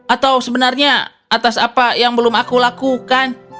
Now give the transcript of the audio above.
atau sebenarnya atas apa yang belum aku lakukan